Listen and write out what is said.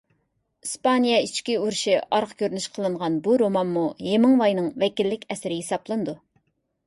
ئىسپانىيە ئىچكى ئۇرۇشى ئارقا كۆرۈنۈش قىلىنغان بۇ رومانمۇ ھېمىڭۋاينىڭ ۋەكىللىك ئەسىرى ھېسابلىنىدۇ.